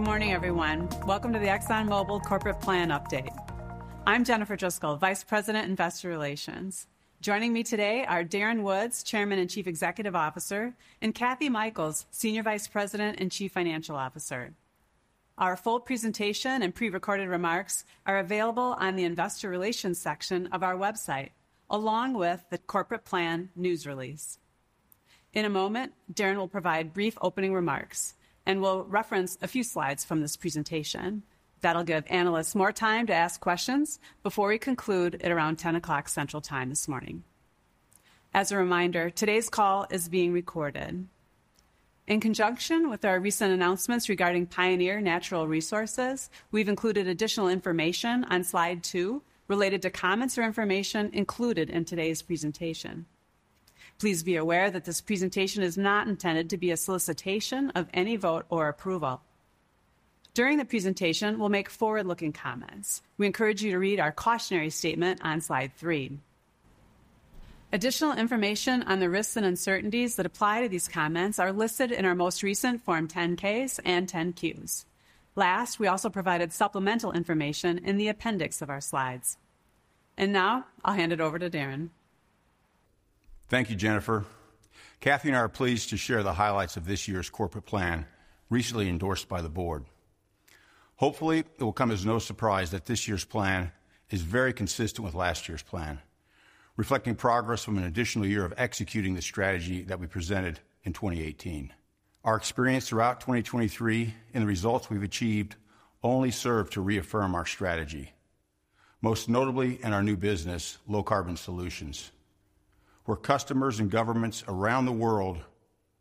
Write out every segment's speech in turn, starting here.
Good morning, everyone. Welcome to the ExxonMobil Corporate Plan Update. I'm Jennifer Driscoll, Vice President, Investor Relations. Joining me today are Darren Woods, Chairman and Chief Executive Officer, and Kathy Mikells, Senior Vice President and Chief Financial Officer. Our full presentation and prerecorded remarks are available on the Investor Relations section of our website, along with the corporate plan news release. In a moment, Darren will provide brief opening remarks, and we'll reference a few slides from this presentation. That'll give analysts more time to ask questions before we conclude at around 10:00 A.M. Central Time this morning. As a reminder, today's call is being recorded. In conjunction with our recent announcements regarding Pioneer Natural Resources, we've included additional information on Slide two related to comments or information included in today's presentation. Please be aware that this presentation is not intended to be a solicitation of any vote or approval. During the presentation, we'll make forward-looking comments. We encourage you to read our cautionary statement on Slide 3. Additional information on the risks and uncertainties that apply to these comments are listed in our most recent Form 10-Ks and 10-Qs. Last, we also provided supplemental information in the appendix of our slides. Now I'll hand it over to Darren. Thank you, Jennifer. Kathy and I are pleased to share the highlights of this year's corporate plan, recently endorsed by the board. Hopefully, it will come as no surprise that this year's plan is very consistent with last year's plan, reflecting progress from an additional year of executing the strategy that we presented in 2018. Our experience throughout 2023 and the results we've achieved only serve to reaffirm our strategy, most notably in our new business, Low Carbon Solutions, where customers and governments around the world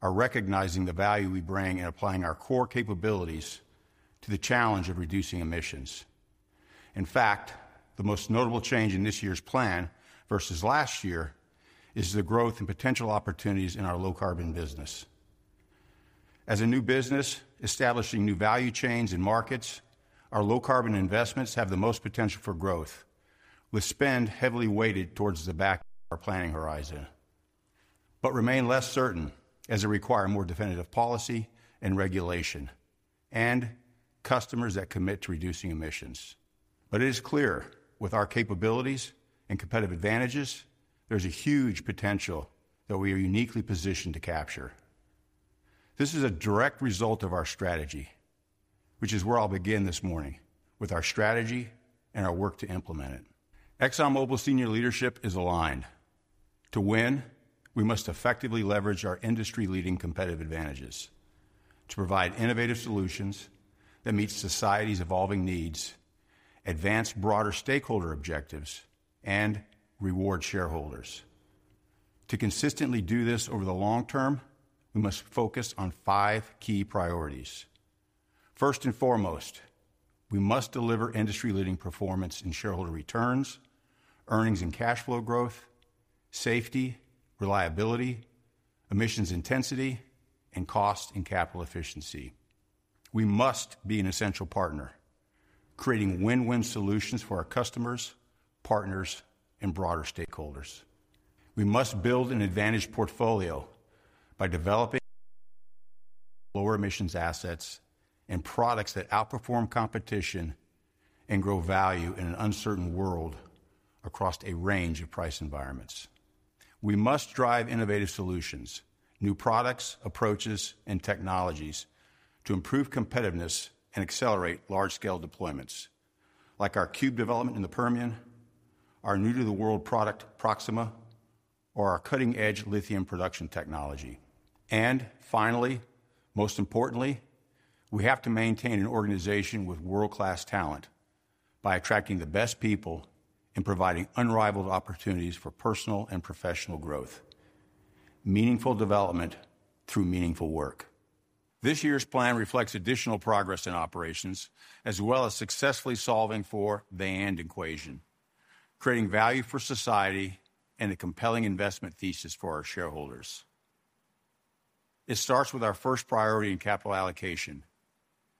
are recognizing the value we bring in applying our core capabilities to the challenge of reducing emissions. In fact, the most notable change in this year's plan versus last year is the growth and potential opportunities in our low carbon business. As a new business, establishing new value chains and markets, our low carbon investments have the most potential for growth, with spend heavily weighted towards the back of our planning horizon, but remain less certain as they require more definitive policy and regulation, and customers that commit to reducing emissions. But it is clear, with our capabilities and competitive advantages, there's a huge potential that we are uniquely positioned to capture. This is a direct result of our strategy, which is where I'll begin this morning, with our strategy and our work to implement it. ExxonMobil senior leadership is aligned. To win, we must effectively leverage our industry-leading competitive advantages to provide innovative solutions that meet society's evolving needs, advance broader stakeholder objectives, and reward shareholders. To consistently do this over the long term, we must focus on five key priorities. First and foremost, we must deliver industry-leading performance in shareholder returns, earnings and cash flow growth, safety, reliability, emissions intensity, and cost and capital efficiency. We must be an essential partner, creating win-win solutions for our customers, partners, and broader stakeholders. We must build an advantage portfolio by developing lower emissions assets and products that outperform competition and grow value in an uncertain world across a range of price environments. We must drive innovative solutions, new products, approaches, and technologies to improve competitiveness and accelerate large-scale deployments, like our Cube development in the Permian, our new-to-the-world product, Proxxima, or our cutting-edge lithium production technology. And finally, most importantly, we have to maintain an organization with world-class talent by attracting the best people and providing unrivaled opportunities for personal and professional growth, meaningful development through meaningful work. This year's plan reflects additional progress in operations, as well as successfully solving for the and equation, creating value for society and a compelling investment thesis for our shareholders. It starts with our first priority in capital allocation,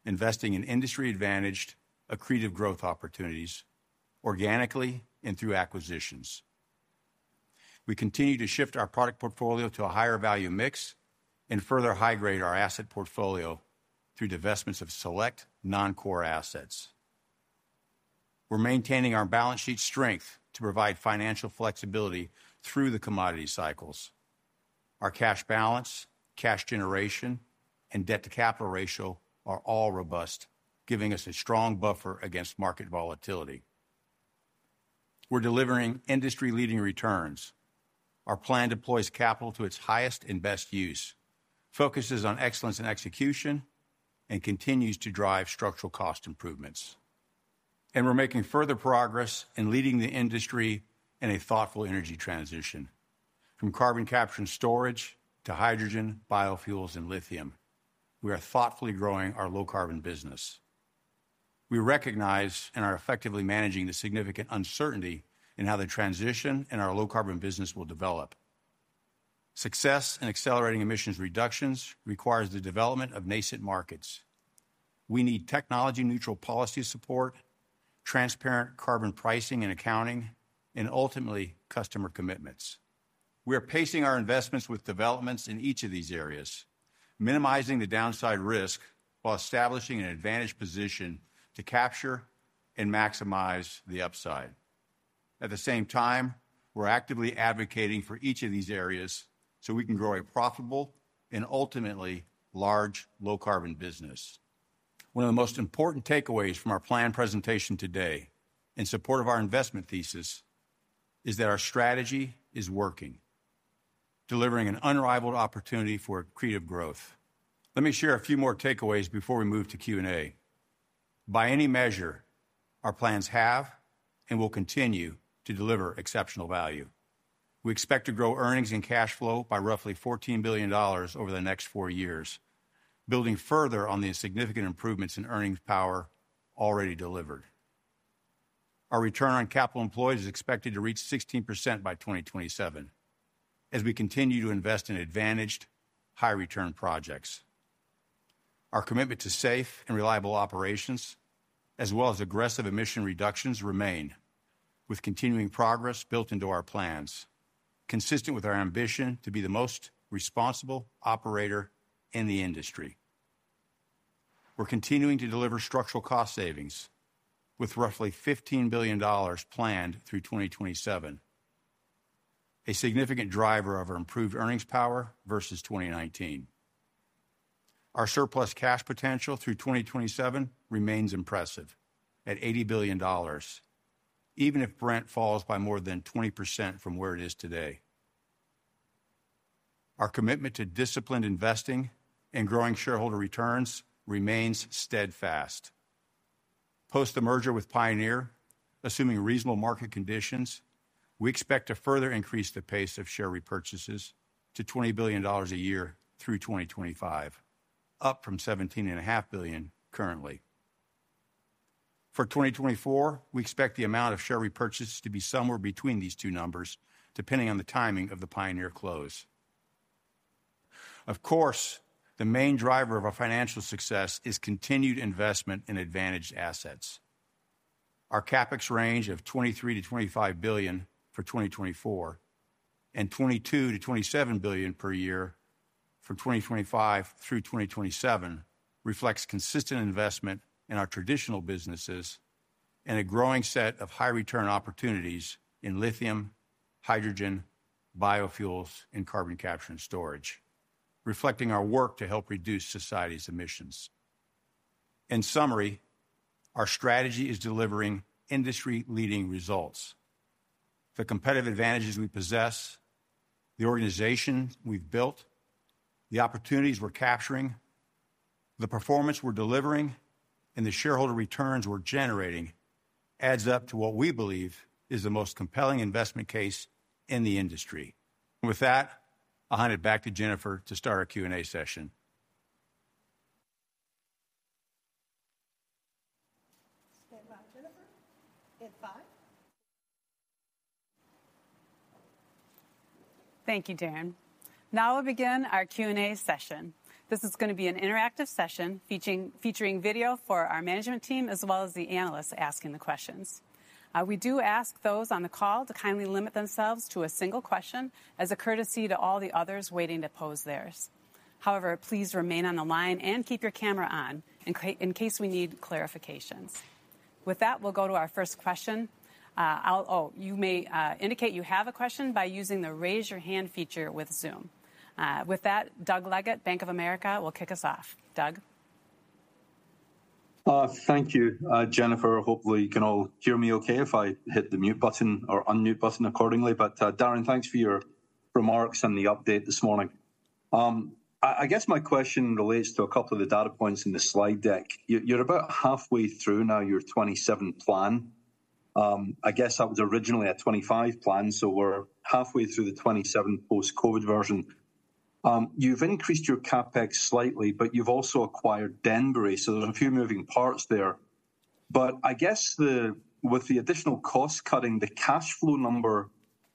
investing in industry-advantaged, accretive growth opportunities, organically and through acquisitions. We continue to shift our product portfolio to a higher value mix and further high-grade our asset portfolio through divestments of select non-core assets. We're maintaining our balance sheet strength to provide financial flexibility through the commodity cycles. Our cash balance, cash generation, and debt-to-capital ratio are all robust, giving us a strong buffer against market volatility. We're delivering industry-leading returns. Our plan deploys capital to its highest and best use, focuses on excellence and execution, and continues to drive structural cost improvements. We're making further progress in leading the industry in a thoughtful energy transition. From carbon capture and storage to hydrogen, biofuels, and lithium, we are thoughtfully growing our low carbon business. We recognize and are effectively managing the significant uncertainty in how the transition in our low carbon business will develop. Success in accelerating emissions reductions requires the development of nascent markets. We need technology-neutral policy support, transparent carbon pricing and accounting, and ultimately, customer commitments. We are pacing our investments with developments in each of these areas, minimizing the downside risk while establishing an advantage position to capture and maximize the upside. At the same time, we're actively advocating for each of these areas so we can grow a profitable and ultimately large low-carbon business. One of the most important takeaways from our plan presentation today, in support of our investment thesis, is that our strategy is working, delivering an unrivaled opportunity for accretive growth. Let me share a few more takeaways before we move to Q&A. By any measure, our plans have and will continue to deliver exceptional value. We expect to grow earnings and cash flow by roughly $14 billion over the next four years, building further on the significant improvements in earnings power already delivered. Our return on capital employed is expected to reach 16% by 2027, as we continue to invest in advantaged, high-return projects. Our commitment to safe and reliable operations, as well as aggressive emission reductions, remain, with continuing progress built into our plans, consistent with our ambition to be the most responsible operator in the industry. We're continuing to deliver structural cost savings with roughly $15 billion planned through 2027, a significant driver of our improved earnings power versus 2019. Our surplus cash potential through 2027 remains impressive at $80 billion, even if Brent falls by more than 20% from where it is today. Our commitment to disciplined investing and growing shareholder returns remains steadfast. Post the merger with Pioneer, assuming reasonable market conditions, we expect to further increase the pace of share repurchases to $20 billion a year through 2025, up from $17.5 billion currently. For 2024, we expect the amount of share repurchases to be somewhere between these two numbers, depending on the timing of the Pioneer close. Of course, the main driver of our financial success is continued investment in advantaged assets. Our CapEx range of $23 billion-$25 billion for 2024, and $22 billion-$27 billion per year from 2025 through 2027, reflects consistent investment in our traditional businesses and a growing set of high-return opportunities in lithium, hydrogen, biofuels, and carbon capture and storage, reflecting our work to help reduce society's emissions. In summary, our strategy is delivering industry-leading results. The competitive advantages we possess, the organization we've built, the opportunities we're capturing, the performance we're delivering, and the shareholder returns we're generating, adds up to what we believe is the most compelling investment case in the industry. With that, I'll hand it back to Jennifer to start our Q&A session. Stand by, Jennifer. Stand by. Thank you, Darren. Now we'll begin our Q&A session. This is gonna be an interactive session, featuring video for our management team, as well as the analysts asking the questions. We do ask those on the call to kindly limit themselves to a single question as a courtesy to all the others waiting to pose theirs. However, please remain on the line and keep your camera on in case we need clarifications. With that, we'll go to our first question. You may indicate you have a question by using the Raise Your Hand feature with Zoom. With that, Doug Leggate, Bank of America, will kick us off. Doug? Thank you, Jennifer. Hopefully, you can all hear me okay if I hit the mute button or unmute button accordingly. But, Darren, thanks for your remarks and the update this morning. I guess my question relates to a couple of the data points in the slide deck. You're about halfway through now, your 2027 plan. I guess that was originally a 2025 plan, so we're halfway through the 2027 post-COVID version. You've increased your CapEx slightly, but you've also acquired Denbury, so there's a few moving parts there. But I guess with the additional cost-cutting, the cash flow number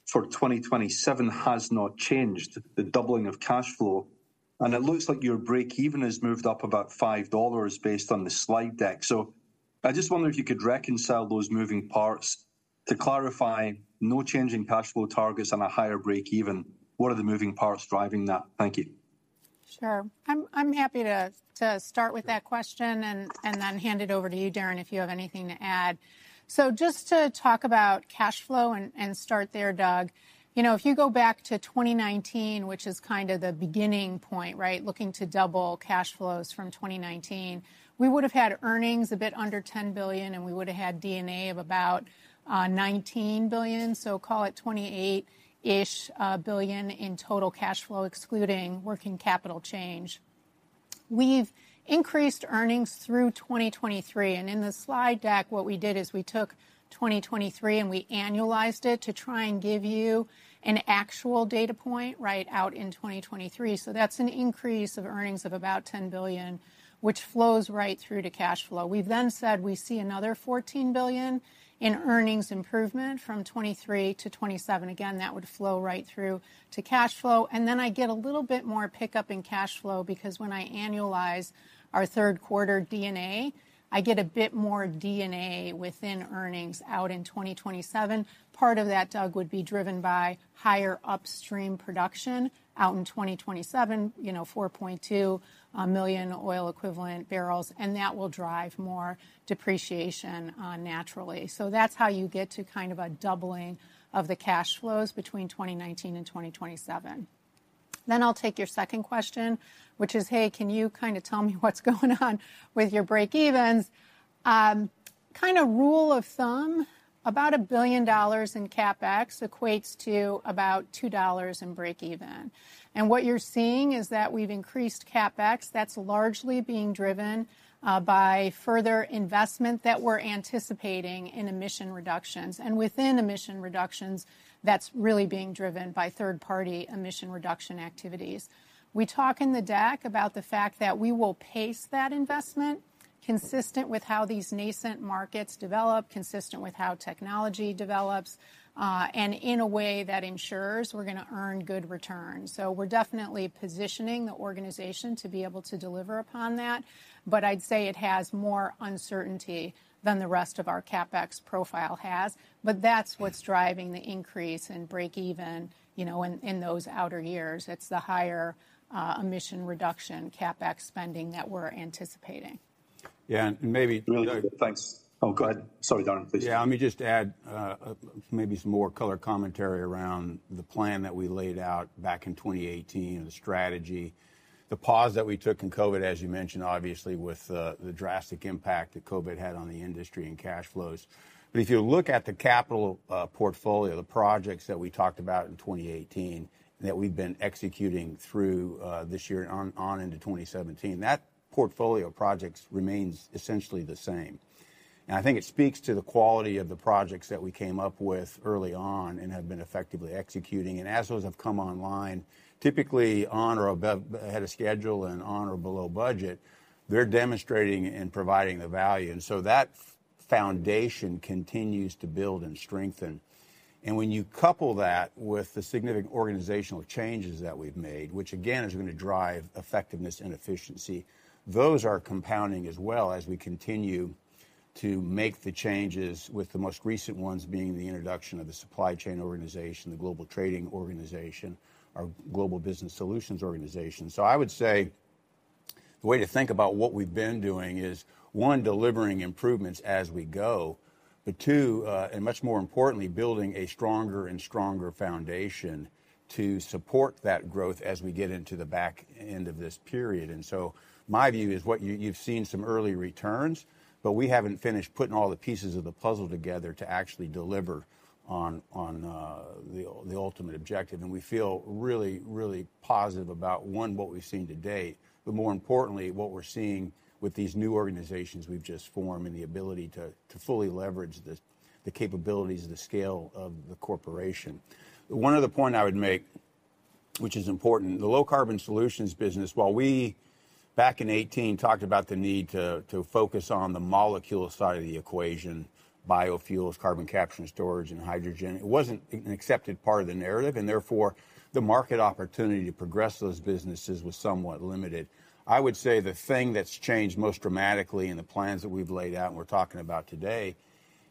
for 2027 has not changed, the doubling of cash flow, and it looks like your break-even has moved up about $5 based on the slide deck. So I just wonder if you could reconcile those moving parts. To clarify, no change in cash flow targets and a higher breakeven, what are the moving parts driving that? Thank you. Sure. I'm happy to start with that question and then hand it over to you, Darren, if you have anything to add. So just to talk about cash flow and start there, Doug. You know, if you go back to 2019, which is kind of the beginning point, right? Looking to double cash flows from 2019, we would have had earnings a bit under $10 billion, and we would have had D&A of about $19 billion, so call it $28 billion-ish in total cash flow, excluding working capital change. We've increased earnings through 2023, and in the slide deck, what we did is we took 2023, and we annualized it to try and give you an actual data point right out in 2023. So that's an inrease of earnings of about $10 billion, which flows right through to cash flow. We then said we see another $14 billion. In earnings improvement from 2023-2027. Again, that would flow right through to cash flow, and then I get a little bit more pickup in cash flow, because when I annualize our third quarter D&A, I get a bit more D&A within earnings out in 2027. Part of that, Doug, would be driven by higher upstream production out in 2027, you know, 4.2 million oil equivalent barrels, and that will drive more depreciation, naturally. So that's how you get to kind of a doubling of the cash flows between 2019 and 2027. Then I'll take your second question, which is, "Hey, can you kinda tell me what's going on with your breakevens?" Kinda rule of thumb, about $1 billion in CapEx equates to about $2 in breakeven. And what you're seeing is that we've increased CapEx. That's largely being driven by further investment that we're anticipating in emission reductions, and within emission reductions, that's really being driven by third-party emission reduction activities. We talk in the deck about the fact that we will pace that investment, consistent with how these nascent markets develop, consistent with how technology develops, and in a way that ensures we're gonna earn good returns. So we're definitely positioning the organization to be able to deliver upon that, but I'd say it has more uncertainty than the rest of our CapEx profile has. But that's what's driving the increase in breakeven, you know, in those outer years. It's the higher emission reduction CapEx spending that we're anticipating. Yeah, and maybe-. Thanks. Oh, go ahead. Sorry, Darren, please. Yeah, let me just add, maybe some more color commentary around the plan that we laid out back in 2018, and the strategy. The pause that we took in COVID, as you mentioned, obviously, with the drastic impact that COVID had on the industry and cash flows. But if you look at the capital portfolio, the projects that we talked about in 2018, that we've been executing through this year and on into 2017, that portfolio of projects remains essentially the same. And I think it speaks to the quality of the projects that we came up with early on and have been effectively executing. And as those have come online, typically on or above, ahead of schedule and on or below budget, they're demonstrating and providing the value, and so that foundation continues to build and strengthen. And when you couple that with the significant organizational changes that we've made, which again, is gonna drive effectiveness and efficiency, those are compounding as well as we continue to make the changes, with the most recent ones being the introduction of the supply chain organization, the Global Trading organization, our Global Business Solutions organization. So I would say, the way to think about what we've been doing is, one, delivering improvements as we go, but two, and much more importantly, building a stronger and stronger foundation to support that growth as we get into the back end of this period. And so my view is what you, you've seen some early returns, but we haven't finished putting all the pieces of the puzzle together to actually deliver on the ultimate objective. We feel really, really positive about, one, what we've seen to date, but more importantly, what we're seeing with these new organizations we've just formed and the ability to, to fully leverage the, the capabilities and the scale of the corporation. One other point I would make, which is important, the Low Carbon Solutions business, while we, back in 2018, talked about the need to, to focus on the molecule side of the equation, biofuels, carbon capture and storage, and hydrogen, it wasn't an accepted part of the narrative, and therefore, the market opportunity to progress those businesses was somewhat limited. I would say the thing that's changed most dramatically in the plans that we've laid out, and we're talking about today,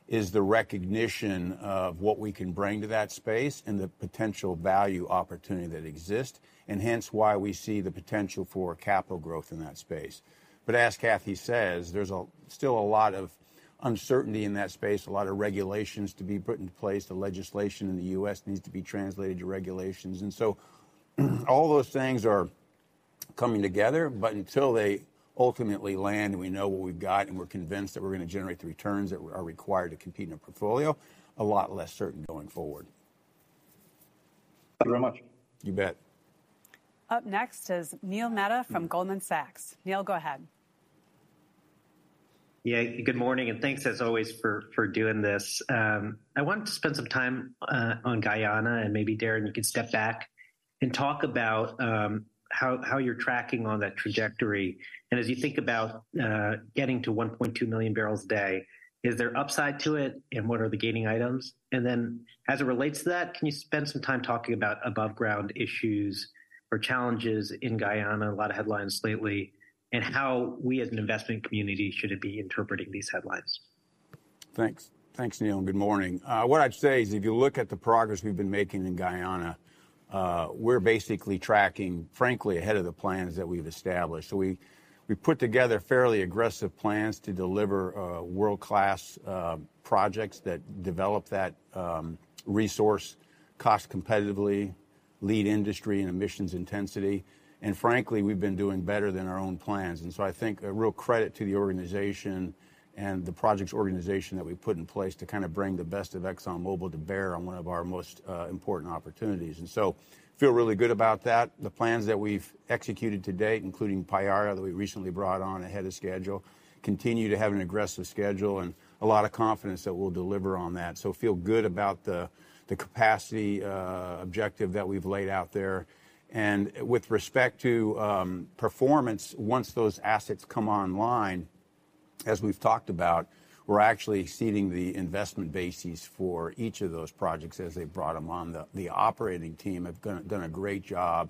is the recognition of what we can bring to that space and the potential value opportunity that exists, and hence why we see the potential for capital growth in that space. But as Kathy says, there's still a lot of uncertainty in that space, a lot of regulations to be put in place. The legislation in the U.S. needs to be translated to regulations. And so, all those things are coming together, but until they ultimately land, and we know what we've got, and we're convinced that we're gonna generate the returns that are required to compete in a portfolio, a lot less certain going forward. Thank you very much. You bet. Up next is Neil Mehta from Goldman Sachs. Neil, go ahead. Yeah, good morning, and thanks, as always, for, for doing this. I want to spend some time on Guyana, and maybe, Darren, you could step back and talk about how, how you're tracking on that trajectory. And as you think about getting to 1.2 million barrels a day, is there upside to it, and what are the gaining items? And then, as it relates to that, can you spend some time talking about aboveground issues or challenges in Guyana, a lot of headlines lately, and how we as an investment community should be interpreting these headlines? Thanks. Thanks, Neil, and good morning. What I'd say is, if you look at the progress we've been making in Guyana, we're basically tracking, frankly, ahead of the plans that we've established. So we put together fairly aggressive plans to deliver world-class projects that develop that resource cost competitively, lead industry, and emissions intensity, and frankly, we've been doing better than our own plans. And so I think a real credit to the organization and the projects organization that we've put in place to kind of bring the best of ExxonMobil to bear on one of our most important opportunities. And so feel really good about that. The plans that we've executed to date, including Payara, that we recently brought on ahead of schedule, continue to have an aggressive schedule and a lot of confidence that we'll deliver on that. So feel good about the capacity objective that we've laid out there. And with respect to performance, once those assets come online, as we've talked about, we're actually exceeding the investment bases for each of those projects as they brought them on. The operating team have done a great job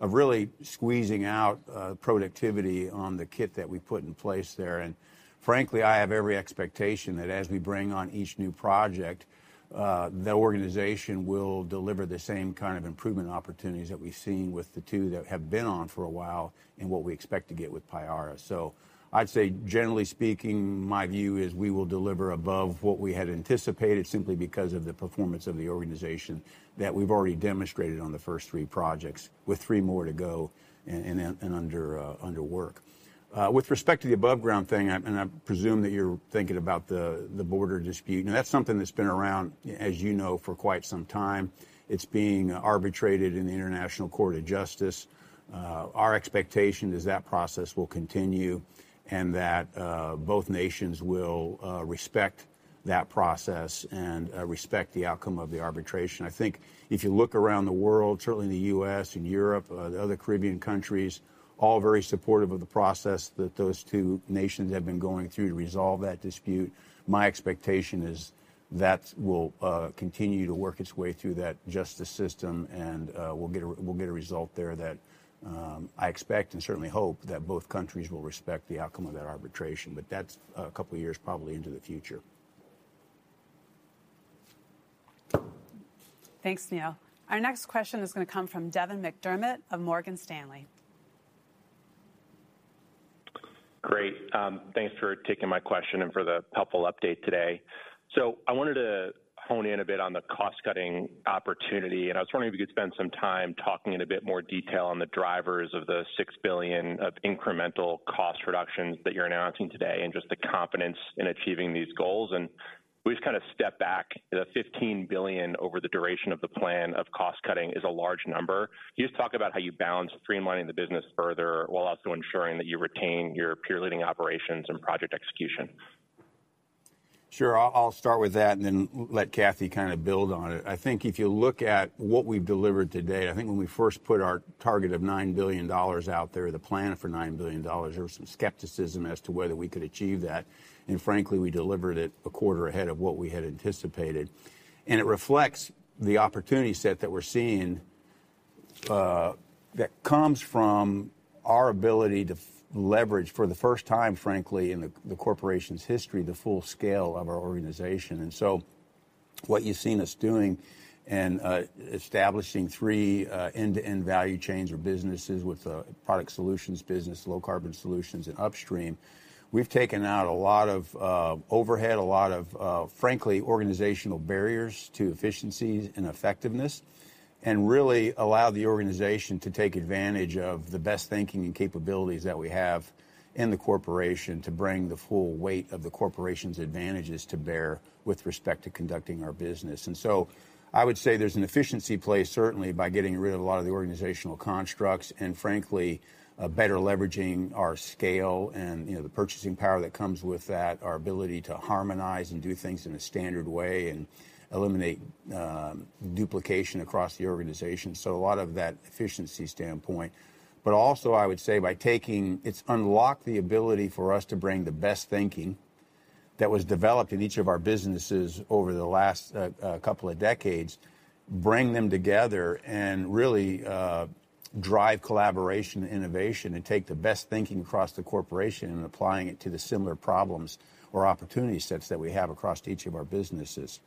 of really squeezing out productivity on the kit that we put in place there, and frankly, I have every expectation that as we bring on each new project, the organization will deliver the same kind of improvement opportunities that we've seen with the two that have been on for a while, and what we expect to get with Payara. So I'd say, generally speaking, my view is we will deliver above what we had anticipated, simply because of the performance of the organization that we've already demonstrated on the first three projects, with three more to go, and under work. With respect to the above ground thing, and I presume that you're thinking about the border dispute, and that's something that's been around, as you know, for quite some time. It's being arbitrated in the International Court of Justice. Our expectation is that process will continue, and that both nations will respect that process and respect the outcome of the arbitration. I think if you look around the world, certainly in the U.S. and Europe, the other Caribbean countries, all very supportive of the process that those two nations have been going through to resolve that dispute. My expectation is that will continue to work its way through that justice system, and we'll get a result there that I expect and certainly hope that both countries will respect the outcome of that arbitration, but that's a couple of years probably into the future. Thanks, Neil. Our next question is gonna come from Devin McDermott of Morgan Stanley. Great. Thanks for taking my question and for the helpful update today. So I wanted to hone in a bit on the cost-cutting opportunity, and I was wondering if you could spend some time talking in a bit more detail on the drivers of the $6 billion of incremental cost reductions that you're announcing today, and just the confidence in achieving these goals. We just kind of step back, the $15 billion over the duration of the plan of cost cutting is a large number. Can you just talk about how you balance streamlining the business further, while also ensuring that you retain your peer-leading operations and project execution? Sure. I'll start with that and then let Kathy kind of build on it. I think if you look at what we've delivered today, I think when we first put our target of $9 billion out there, the plan for $9 billion, there was some skepticism as to whether we could achieve that, and frankly, we delivered it a quarter ahead of what we had anticipated. And it reflects the opportunity set that we're seeing that comes from our ability to leverage for the first time, frankly, in the corporation's history, the full scale of our organization. And so what you've seen us doing and establishing three end-to-end value chains or businesses with Product Solutions business, Low Carbon Solutions and Upstream. We've taken out a lot of overhead, a lot of frankly, organizational barriers to efficiencies and effectiveness, and really allow the organization to take advantage of the best thinking and capabilities that we have in the corporation to bring the full weight of the corporation's advantages to bear with respect to conducting our business. And so I would say there's an efficiency play, certainly by getting rid of a lot of the organizational constructs, and frankly, better leveraging our scale and, you know, the purchasing power that comes with that, our ability to harmonize and do things in a standard way and eliminate duplication across the organization. So a lot of that efficiency standpoint, but also I would say by taking... It's unlocked the ability for us to bring the best thinking that was developed in each of our businesses over the last couple of decades, bring them together and really drive collaboration, innovation, and take the best thinking across the corporation and applying it to the similar problems or opportunity sets that we have across each of our businesses.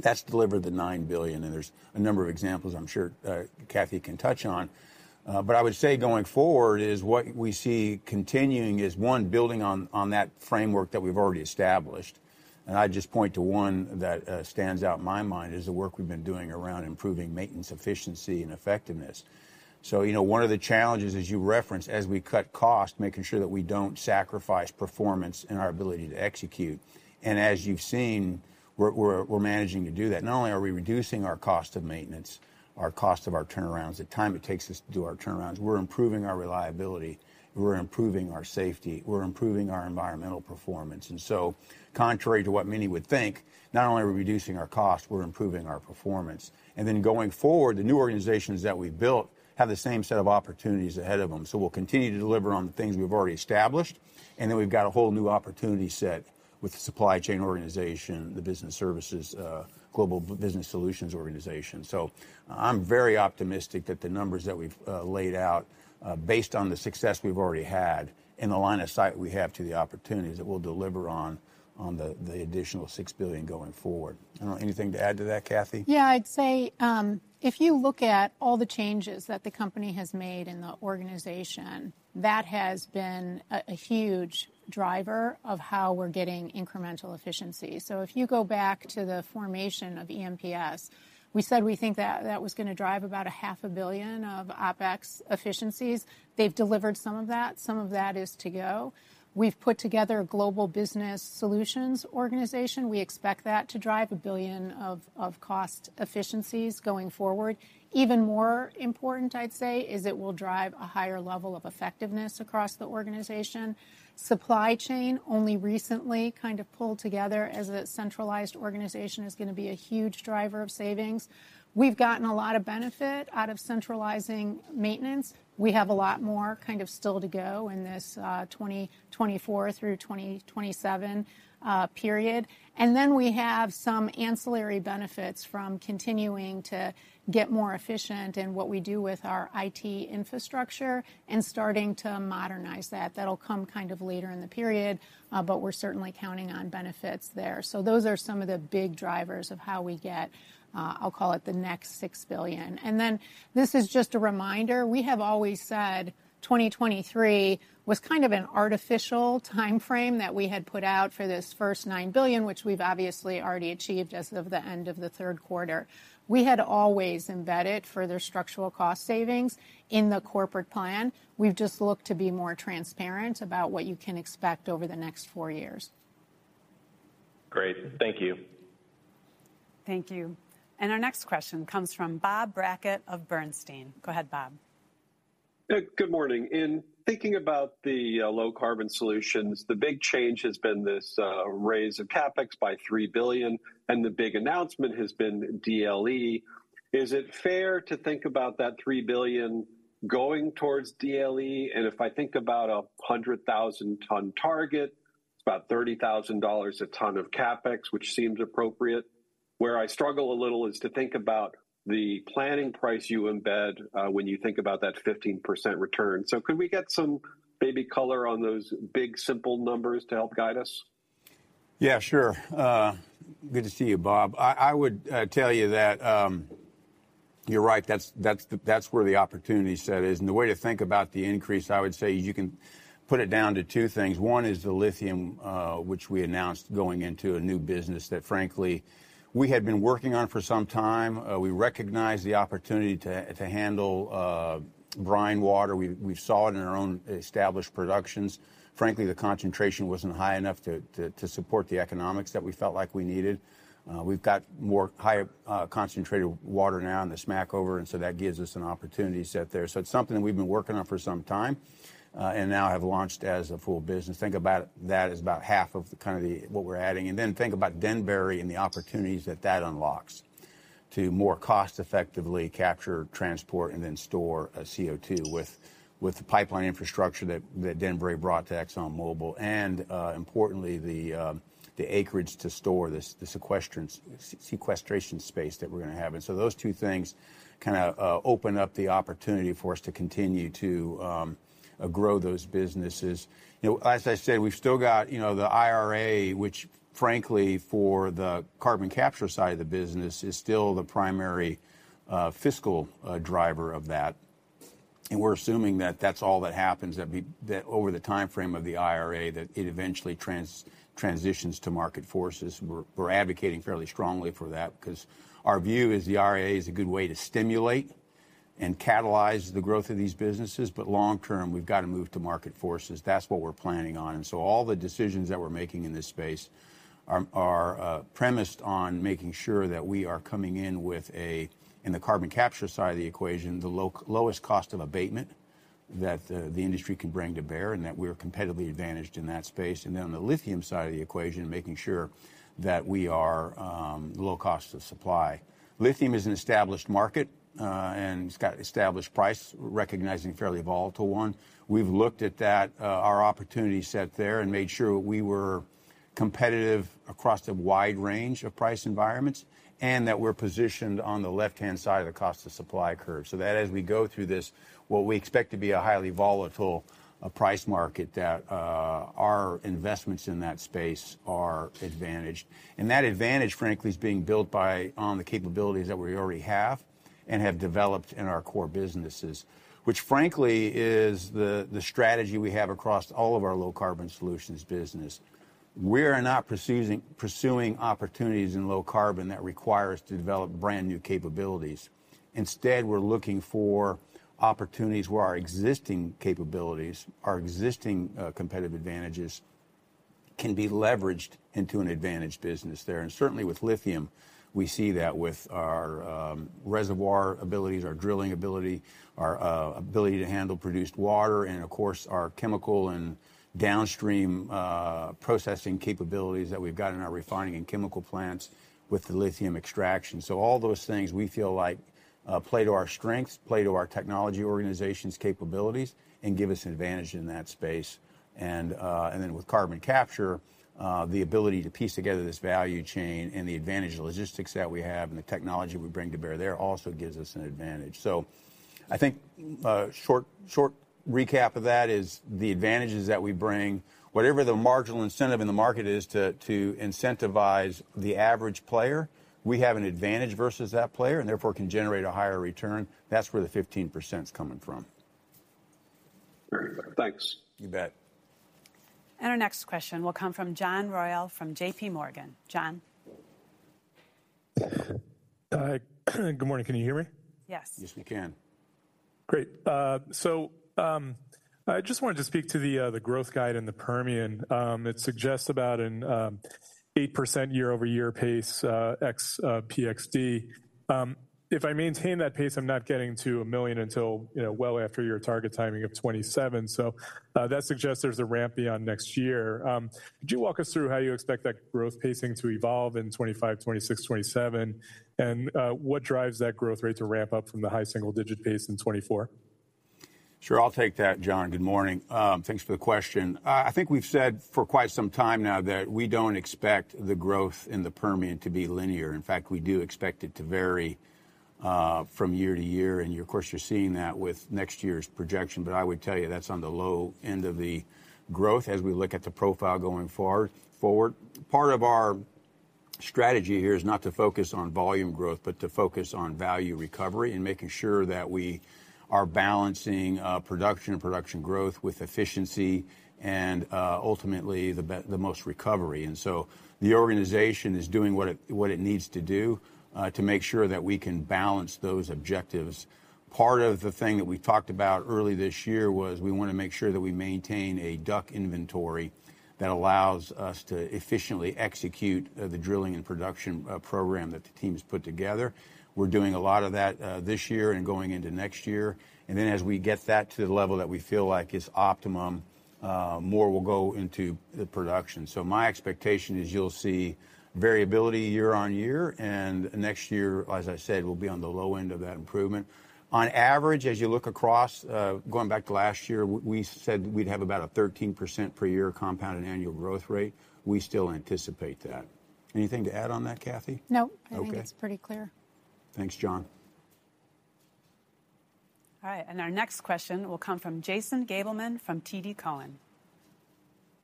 That's delivered the $9 billion, and there's a number of examples I'm sure Kathy can touch on. But I would say going forward is, what we see continuing is, one, building on that framework that we've already established. And I'd just point to one that stands out in my mind, is the work we've been doing around improving maintenance efficiency and effectiveness. So, you know, one of the challenges, as you referenced, as we cut costs, making sure that we don't sacrifice performance and our ability to execute. And as you've seen, we're managing to do that. Not only are we reducing our cost of maintenance, our cost of our turnarounds, the time it takes us to do our turnarounds, we're improving our reliability, we're improving our safety, we're improving our environmental performance. And so contrary to what many would think, not only are we reducing our costs, we're improving our performance. And then going forward, the new organizations that we've built have the same set of opportunities ahead of them. So we'll continue to deliver on the things we've already established, and then we've got a whole new opportunity set with the supply chain organization, the business services, Global Business Solutions organization. So I'm very optimistic that the numbers that we've laid out based on the success we've already had, and the line of sight we have to the opportunities that we'll deliver on the additional $6 billion going forward. I don't know, anything to add to that, Kathy? Yeah, I'd say if you look at all the changes that the company has made in the organization, that has been a huge driver of how we're getting incremental efficiency. So if you go back to the formation of EMPS, we said we think that that was gonna drive about $500 million of OpEx efficiencies. They've delivered some of that, some of that is to go. We've put together a Global Business Solutions organization. We expect that to drive $1 billion of cost efficiencies going forward. Even more important, I'd say, is it will drive a higher level of effectiveness across the organization. Supply chain only recently kind of pulled together as a centralized organization, is gonna be a huge driver of savings. We've gotten a lot of benefit out of centralizing maintenance. We have a lot more kind of still to go in this 2024 through 2027 period. And then we have some ancillary benefits from continuing to get more efficient in what we do with our IT infrastructure and starting to modernize that. That'll come kind of later in the period, but we're certainly counting on benefits there. So those are some of the big drivers of how we get, I'll call it the next $6 billion. And then this is just a reminder, we have always said 2023 was kind of an artificial timeframe that we had put out for this first $9 billion, which we've obviously already achieved as of the end of the third quarter. We had always embedded further structural cost savings in the corporate plan. We've just looked to be more transparent about what you can expect over the next four years. Great. Thank you. Thank you. Our next question comes from Bob Brackett of Bernstein. Go ahead, Bob. Good morning. In thinking about the Low Carbon Solutions, the big change has been this raise of CapEx by $3 billion, and the big announcement has been DLE. Is it fair to think about that $3 billion going towards DLE? And if I think about a 100,000-ton target, it's about $30,000 a ton of CapEx, which seems appropriate. Where I struggle a little is to think about the planning price you embed when you think about that 15% return. So could we get some maybe color on those big, simple numbers to help guide us? Yeah, sure. Good to see you, Bob. I would tell you that you're right, that's where the opportunity set is. And the way to think about the increase, I would say, is you can put it down to two things. One is the lithium, which we announced going into a new business, that frankly, we had been working on for some time. We recognized the opportunity to handle brine water. We saw it in our own established productions. Frankly, the concentration wasn't high enough to support the economics that we felt like we needed. We've got more higher concentrated water now in the Smackover, and so that gives us an opportunity set there. So it's something that we've been working on for some time, and now have launched as a full business. Think about that as about half of the kind of the what we're adding. And then think about Denbury and the opportunities that that unlocks to more cost effectively capture, transport, and then store CO2 with the pipeline infrastructure that Denbury brought to ExxonMobil. And importantly, the acreage to store this, the sequestration space that we're gonna have. And so those two things kinda open up the opportunity for us to continue to grow those businesses. You know, as I said, we've still got, you know, the IRA, which frankly, for the carbon capture side of the business, is still the primary fiscal driver of that. And we're assuming that that's all that happens, that we... That over the timeframe of the IRA, that it eventually transitions to market forces. We're advocating fairly strongly for that, 'cause our view is the IRA is a good way to stimulate and catalyze the growth of these businesses, but long term, we've gotta move to market forces. That's what we're planning on. And so all the decisions that we're making in this space are premised on making sure that we are coming in with a, in the carbon capture side of the equation, the lowest cost of abatement that the industry can bring to bear, and that we're competitively advantaged in that space. And then on the lithium side of the equation, making sure that we are low cost of supply. Lithium is an established market, and it's got established price, recognizing a fairly volatile one. We've looked at that, our opportunity set there, and made sure we were competitive across a wide range of price environments, and that we're positioned on the left-hand side of the cost of supply curve. So that as we go through this, what we expect to be a highly volatile price market, that our investments in that space are advantaged. And that advantage, frankly, is being built by, on the capabilities that we already have and have developed in our core businesses, which, frankly, is the strategy we have across all of our Low Carbon Solutions business. We are not pursuing opportunities in low carbon that require us to develop brand-new capabilities. Instead, we're looking for opportunities where our existing capabilities, our existing competitive advantages, can be leveraged into an advantage business there. And certainly with lithium, we see that with our reservoir abilities, our drilling ability, our ability to handle produced water, and of course, our chemical and downstream processing capabilities that we've got in our refining and chemical plants with the lithium extraction. So all those things we feel like play to our strengths, play to our technology organization's capabilities and give us an advantage in that space. And and then with carbon capture, the ability to piece together this value chain and the advantage of the logistics that we have and the technology we bring to bear there also gives us an advantage. I think, short, short recap of that is the advantages that we bring, whatever the marginal incentive in the market is to incentivize the average player, we have an advantage versus that player, and therefore, can generate a higher return. That's where the 15%'s coming from. Very good. Thanks. You bet. And our next question will come from John Royal, from JP Morgan. John? Good morning. Can you hear me? Yes. Yes, we can. Great. So, I just wanted to speak to the, the growth guide in the Permian. It suggests about an, 8% year-over-year pace, ex, PXD. If I maintain that pace, I'm not getting to 1 million until, you know, well after your target timing of 2027. So, that suggests there's a ramp beyond next year. Could you walk us through how you expect that growth pacing to evolve in 2025, 2026, 2027? And, what drives that growth rate to ramp up from the high single-digit pace in 2024? Sure. I'll take that, John. Good morning. Thanks for the question. I think we've said for quite some time now that we don't expect the growth in the Permian to be linear. In fact, we do expect it to vary from year to year, and of course, you're seeing that with next year's projection. But I would tell you, that's on the low end of the growth as we look at the profile going forward. Part of our strategy here is not to focus on volume growth, but to focus on value recovery and making sure that we are balancing production and production growth with efficiency and ultimately the most recovery. And so the organization is doing what it needs to do to make sure that we can balance those objectives. Part of the thing that we talked about early this year was we wanna make sure that we maintain a DUC inventory that allows us to efficiently execute, the drilling and production, program that the team's put together. We're doing a lot of that, this year and going into next year, and then as we get that to the level that we feel like is optimum, more will go into the production. So my expectation is you'll see variability year-on-year, and next year, as I said, will be on the low end of that improvement. On average, as you look across, going back to last year, we said we'd have about a 13% per year compounded annual growth rate. We still anticipate that. Anything to add on that, Kathy? No. Okay. I think it's pretty clear. Thanks, John. All right, and our next question will come from Jason Gabelman from TD Cowen.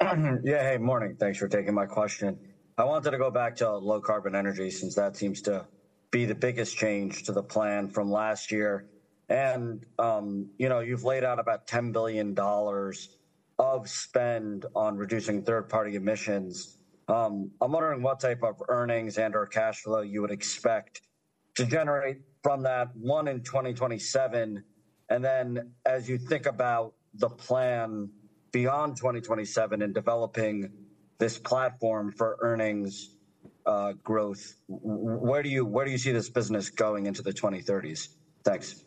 Yeah. Hey, morning. Thanks for taking my question. I wanted to go back to low carbon energy, since that seems to be the biggest change to the plan from last year. And, you know, you've laid out about $10 billion of spend on reducing third-party emissions. I'm wondering what type of earnings and/or cash flow you would expect to generate from that, one, in 2027, and then as you think about the plan beyond 2027 in developing this platform for earnings, growth, where do you see this business going into the 2030s? Thanks.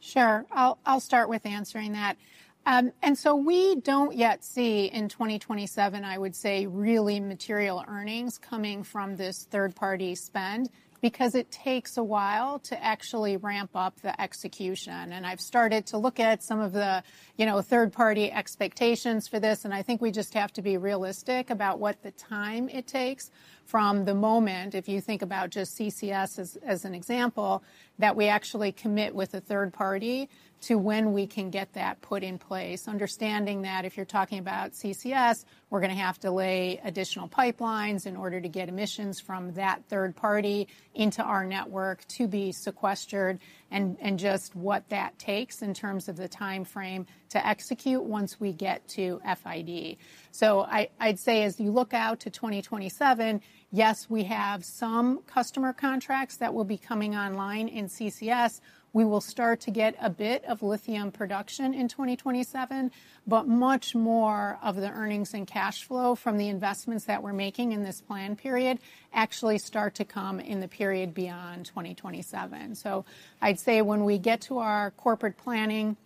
Sure. I'll, I'll start with answering that. And so we don't yet see, in 2027, I would say, really material earnings coming from this third-party spend because it takes a while to actually ramp up the execution. And I've started to look at some of the, you know, third-party expectations for this, and I think we just have to be realistic about what the time it takes from the moment, if you think about just CCS as, as an example, that we actually commit with a third party, to when we can get that put in place. Understanding that if you're talking about CCS, we're gonna have to lay additional pipelines in order to get emissions from that third party into our network to be sequestered, and just what that takes in terms of the timeframe to execute once we get to FID. So I, I'd say as you look out to 2027, yes, we have some customer contracts that will be coming online in CCS. We will start to get a bit of lithium production in 2027, but much more of the earnings and cash flow from the investments that we're making in this plan period actually start to come in the period beyond 2027. So I'd say when we get to our corporate planning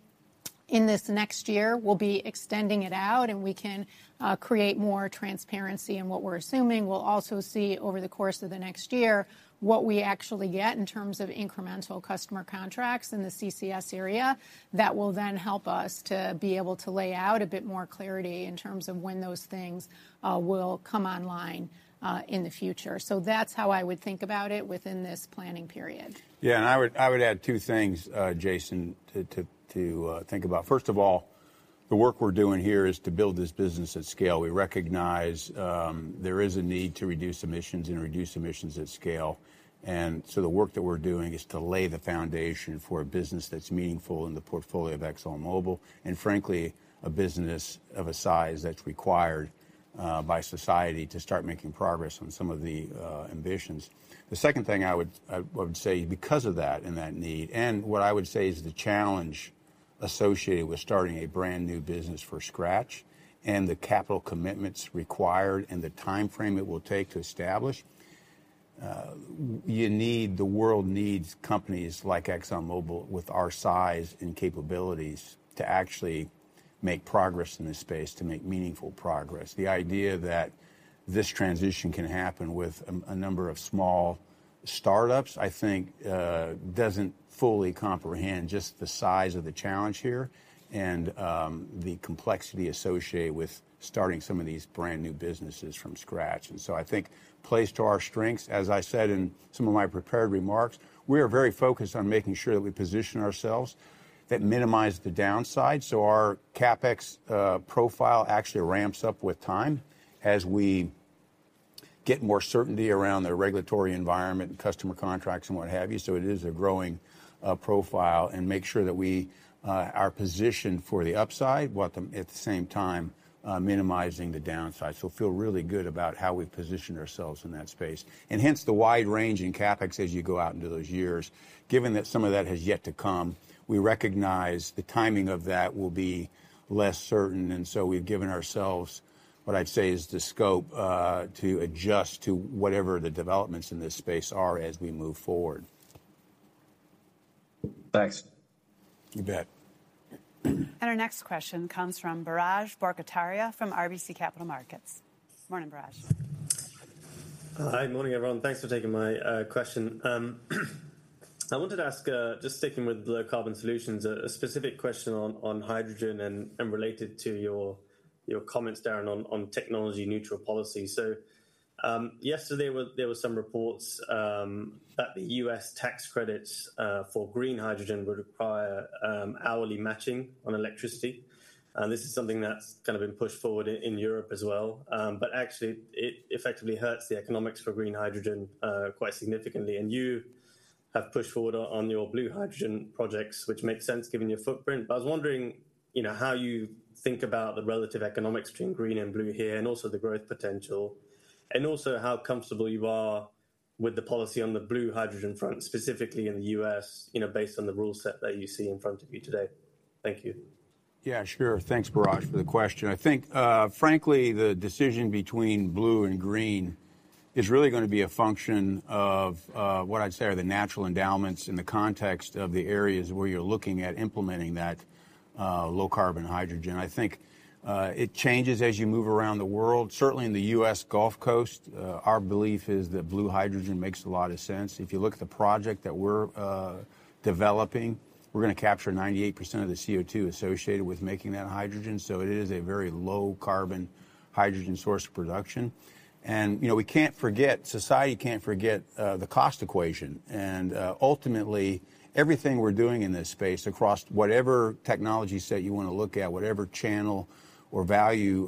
in this next year, we'll be extending it out, and we can create more transparency in what we're assuming. We'll also see over the course of the next year, what we actually get in terms of incremental customer contracts in the CCS area. That will then help us to be able to lay out a bit more clarity in terms of when those things will come online in the future. That's how I would think about it within this planning period. Yeah, and I would add two things, Jason, to think about. First of all, the work we're doing here is to build this business at scale. We recognize there is a need to reduce emissions and reduce emissions at scale, and so the work that we're doing is to lay the foundation for a business that's meaningful in the portfolio of ExxonMobil, and frankly, a business of a size that's required by society to start making progress on some of the ambitions. The second thing I would say because of that, and that need, and what I would say is the challenge associated with starting a brand-new business from scratch, and the capital commitments required, and the timeframe it will take to establish-... You need, the world needs companies like ExxonMobil with our size and capabilities to actually make progress in this space, to make meaningful progress. The idea that this transition can happen with a number of small startups, I think, doesn't fully comprehend just the size of the challenge here and the complexity associated with starting some of these brand-new businesses from scratch. And so I think plays to our strengths. As I said in some of my prepared remarks, we are very focused on making sure that we position ourselves that minimize the downside. So our CapEx profile actually ramps up with time as we get more certainty around the regulatory environment and customer contracts and what have you, so it is a growing profile, and make sure that we are positioned for the upside, while at the same time minimizing the downside. So feel really good about how we've positioned ourselves in that space. And hence, the wide-ranging CapEx as you go out into those years. Given that some of that has yet to come, we recognize the timing of that will be less certain, and so we've given ourselves what I'd say is the scope to adjust to whatever the developments in this space are as we move forward. Thanks. You bet. Our next question comes from Biraj Borkhataria from RBC Capital Markets. Morning, Biraj. Hi, morning, everyone. Thanks for taking my question. I wanted to ask just sticking with Low Carbon Solutions, a specific question on hydrogen and related to your comments, Darren, on technology neutral policy. So, yesterday, there were some reports that the U.S. tax credits for green hydrogen would require hourly matching on electricity. And this is something that's kind of been pushed forward in Europe as well. But actually, it effectively hurts the economics for green hydrogen quite significantly. And you have pushed forward on your blue hydrogen projects, which make sense given your footprint. I was wondering, you know, how you think about the relative economics between green and blue here, and also the growth potential, and also how comfortable you are with the policy on the blue hydrogen front, specifically in the U.S., you know, based on the rule set that you see in front of you today? Thank you. Yeah, sure. Thanks, Biraj, for the question. I think, frankly, the decision between Blue and Green is really gonna be a function of what I'd say are the natural endowments in the context of the areas where you're looking at implementing that low-carbon hydrogen. I think it changes as you move around the world. Certainly, in the U.S. Gulf Coast, our belief is that blue hydrogen makes a lot of sense. If you look at the project that we're developing, we're gonna capture 98% of the CO2 associated with making that hydrogen, so it is a very low-carbon hydrogen source of production. And, you know, we can't forget, society can't forget the cost equation. Ultimately, everything we're doing in this space, across whatever technology set you wanna look at, whatever channel or value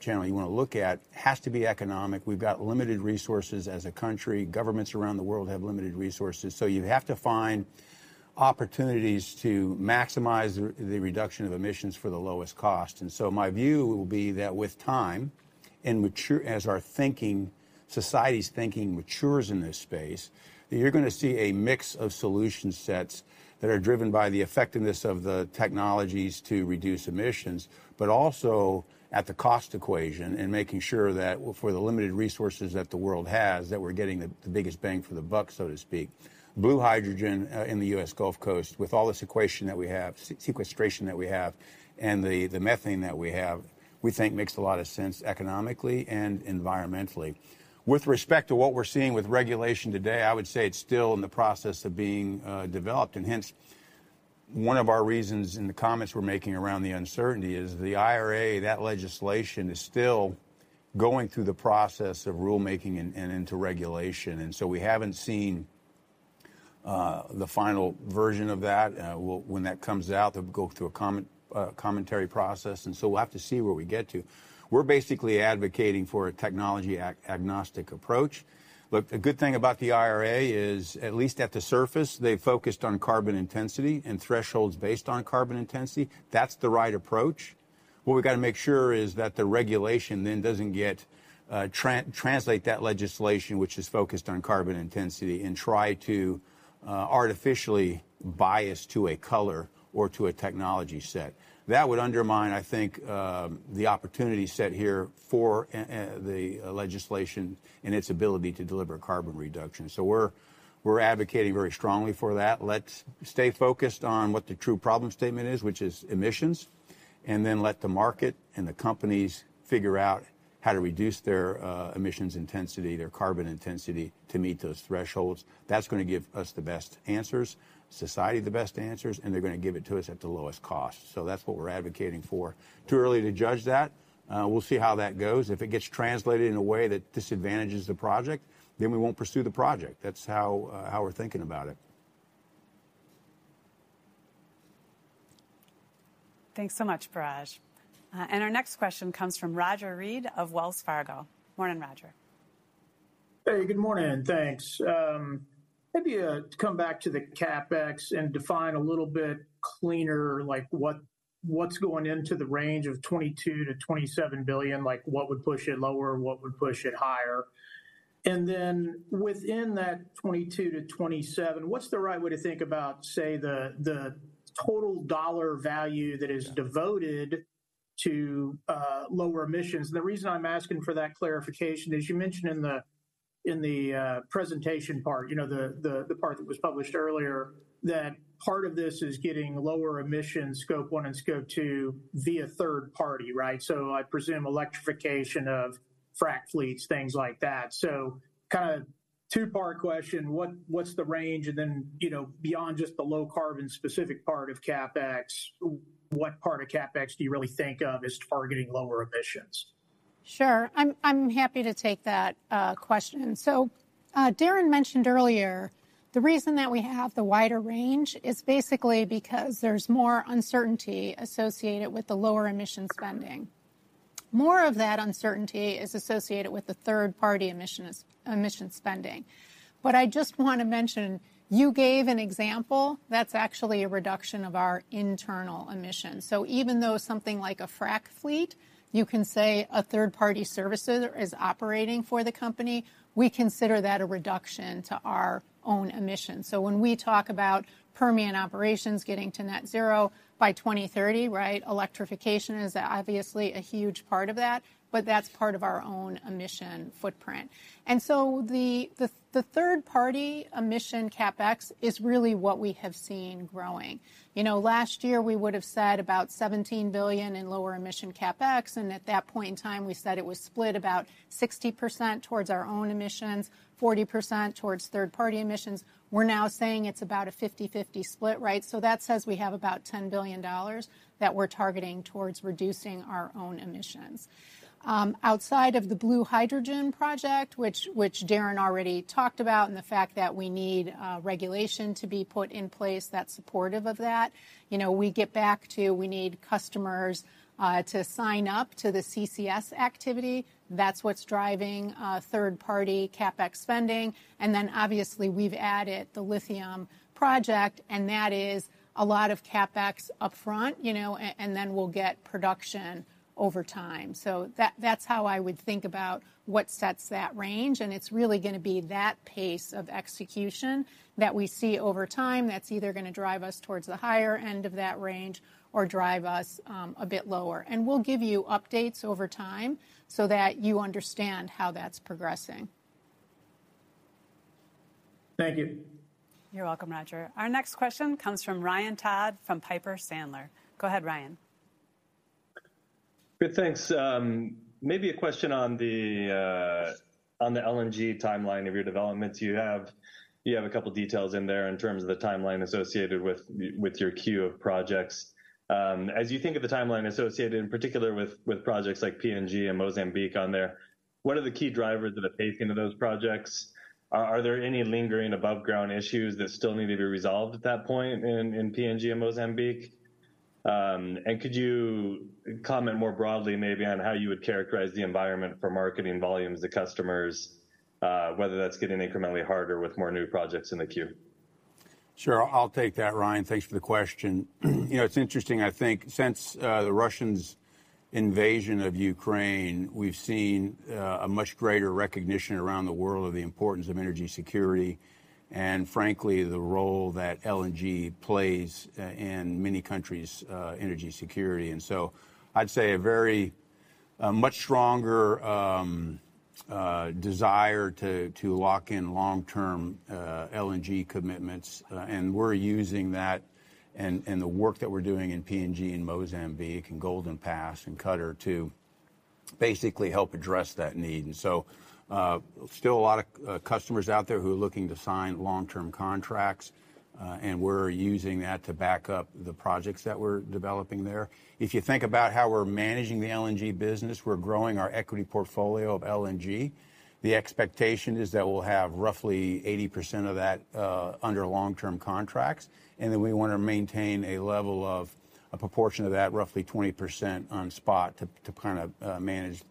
channel you wanna look at, has to be economic. We've got limited resources as a country. Governments around the world have limited resources, so you have to find opportunities to maximize the reduction of emissions for the lowest cost. So my view will be that with time and as our thinking, society's thinking matures in this space, that you're gonna see a mix of solution sets that are driven by the effectiveness of the technologies to reduce emissions, but also at the cost equation and making sure that for the limited resources that the world has, that we're getting the biggest bang for the buck, so to speak. Blue hydrogen in the U.S. Gulf Coast, with all this infrastructure that we have, sequestration that we have and the methane that we have, we think makes a lot of sense economically and environmentally. With respect to what we're seeing with regulation today, I would say it's still in the process of being developed, and hence, one of our reasons in the comments we're making around the uncertainty is, the IRA, that legislation, is still going through the process of rulemaking and into regulation, and so we haven't seen the final version of that. Well, when that comes out, they'll go through a commentary process, and so we'll have to see where we get to. We're basically advocating for a technology-agnostic approach. Look, the good thing about the IRA is, at least at the surface, they focused on carbon intensity and thresholds based on carbon intensity. That's the right approach. What we've got to make sure is that the regulation then doesn't get, translate that legislation, which is focused on carbon intensity, and try to, artificially bias to a color or to a technology set. That would undermine, I think, the opportunity set here for, the, legislation and its ability to deliver carbon reduction. So we're, we're advocating very strongly for that. Let's stay focused on what the true problem statement is, which is emissions, and then let the market and the companies figure out how to reduce their, emissions intensity, their carbon intensity, to meet those thresholds. That's gonna give us the best answers, society the best answers, and they're gonna give it to us at the lowest cost, so that's what we're advocating for. Too early to judge that. We'll see how that goes. If it gets translated in a way that disadvantages the project, then we won't pursue the project. That's how we're thinking about it. Thanks so much, Biraj. Our next question comes from Roger Read of Wells Fargo. Morning, Roger. Hey, good morning, thanks. Maybe to come back to the CapEx and define a little bit cleaner, like, what, what's going into the range of $22 billion-$27 billion? Like, what would push it lower, and what would push it higher? And then within that $22 billion-$27 billion, what's the right way to think about, say, the total dollar value that is devoted to lower emissions. The reason I'm asking for that clarification is you mentioned in the presentation part, you know, the part that was published earlier, that part of this is getting lower emission Scope 1 and Scope 2 via third party, right? So I presume electrification of frack fleets, things like that. So kinda two-part question: What's the range? And then, you know, beyond just the low-carbon specific part of CapEx, what part of CapEx do you really think of as targeting lower emissions? Sure. I'm happy to take that question. So, Darren mentioned earlier, the reason that we have the wider range is basically because there's more uncertainty associated with the lower emission spending. More of that uncertainty is associated with the third-party emissions, emission spending. But I just wanna mention, you gave an example, that's actually a reduction of our internal emissions. So even though something like a frack fleet, you can say a third-party services is operating for the company, we consider that a reduction to our own emissions. So when we talk about Permian operations getting to net zero by 2030, right, electrification is obviously a huge part of that, but that's part of our own emission footprint. And so the third-party emission CapEx is really what we have seen growing. You know, last year, we would've said about $17 billion in lower emission CapEx, and at that point in time, we said it was split about 60% towards our own emissions, 40% towards third-party emissions. We're now saying it's about a 50/50 split, right? So that says we have about $10 billion that we're targeting towards reducing our own emissions. Outside of the blue hydrogen project, which Darren already talked about, and the fact that we need regulation to be put in place that's supportive of that, you know, we get back to we need customers to sign up to the CCS activity. That's what's driving third-party CapEx spending. And then, obviously, we've added the lithium project, and that is a lot of CapEx upfront, you know, and then we'll get production over time. So, that's how I would think about what sets that range, and it's really gonna be that pace of execution that we see over time, that's either gonna drive us towards the higher end of that range or drive us a bit lower. And we'll give you updates over time so that you understand how that's progressing. Thank you. You're welcome, Roger. Our next question comes from Ryan Todd, from Piper Sandler. Go ahead, Ryan. Good, thanks. Maybe a question on the LNG timeline of your developments. You have a couple details in there in terms of the timeline associated with your queue of projects. As you think of the timeline associated, in particular, with projects like PNG and Mozambique on there, what are the key drivers of the pacing of those projects? Are there any lingering above-ground issues that still need to be resolved at that point in PNG and Mozambique? And could you comment more broadly maybe on how you would characterize the environment for marketing volumes to customers, whether that's getting incrementally harder with more new projects in the queue? Sure. I'll take that, Ryan. Thanks for the question. You know, it's interesting, I think, since the Russians' invasion of Ukraine, we've seen a much greater recognition around the world of the importance of energy security, and frankly, the role that LNG plays in many countries' energy security. And so I'd say a much stronger desire to lock in long-term LNG commitments, and we're using that and the work that we're doing in PNG and Mozambique and Golden Pass and Qatar to basically help address that need. And so still a lot of customers out there who are looking to sign long-term contracts, and we're using that to back up the projects that we're developing there. If you think about how we're managing the LNG business, we're growing our equity portfolio of LNG. The expectation is that we'll have roughly 80% of that under long-term contracts, and then we wanna maintain a level of a proportion of that, roughly 20% on spot, to kind of manage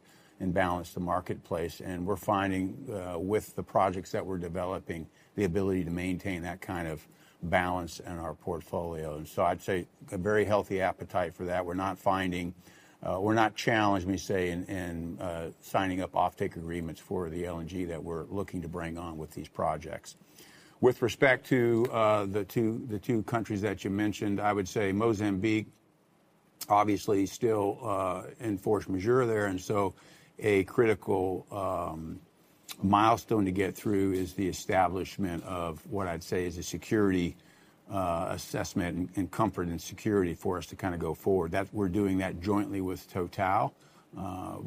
and balance the marketplace. And we're finding with the projects that we're developing, the ability to maintain that kind of balance in our portfolio. And so I'd say a very healthy appetite for that. We're not finding, we're not challenged, we say, in signing up offtake agreements for the LNG that we're looking to bring on with these projects. With respect to the two countries that you mentioned, I would say Mozambique, obviously, still in force majeure there, and so a critical milestone to get through is the establishment of what I'd say is a security assessment and comfort and security for us to kinda go forward. We're doing that jointly with Total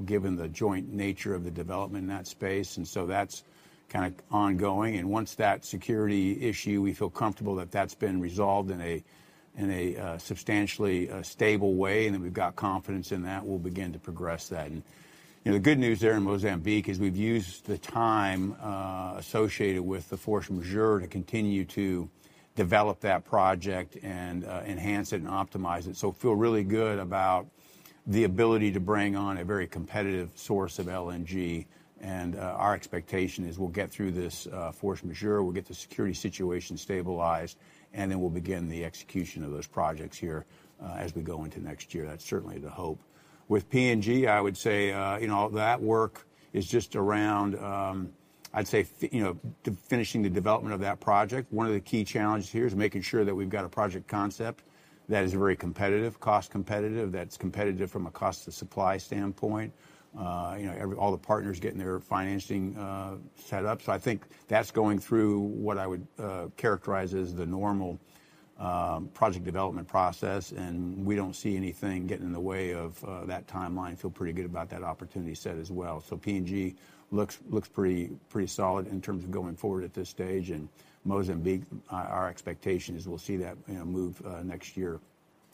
given the joint nature of the development in that space, and so that's kind of ongoing. And once that security issue we feel comfortable that that's been resolved in a substantially stable way, and that we've got confidence in that, we'll begin to progress that. And, you know, the good news there in Mozambique is we've used the time associated with the force majeure to continue to develop that project and enhance it and optimize it. So feel really good about the ability to bring on a very competitive source of LNG, and our expectation is we'll get through this force majeure, we'll get the security situation stabilized, and then we'll begin the execution of those projects here as we go into next year. That's certainly the hope. With PNG, I would say, you know, that work is just around, I'd say, you know, to finishing the development of that project, one of the key challenges here is making sure that we've got a project concept that is very competitive, cost competitive, that's competitive from a cost of supply standpoint. All the partners getting their financing set up. So I think that's going through what I would characterize as the normal project development process, and we don't see anything getting in the way of that timeline. Feel pretty good about that opportunity set as well. So PNG looks pretty, pretty solid in terms of going forward at this stage, and Mozambique, our expectation is we'll see that, you know, move next year,